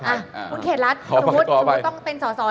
คนเขตรัฐวิมูธต้องเต้นสอน